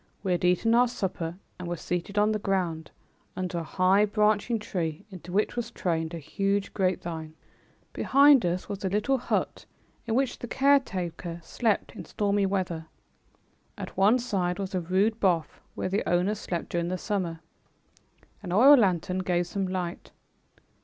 We had eaten our supper and were seated on the ground, under a high, branching tree into which was trained a huge grapevine. Behind us was a little hut, in which the caretaker slept in stormy weather. At one side was a rude booth where the owner slept during the summer. An oil lantern gave some light.